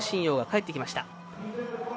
陽が帰ってきました。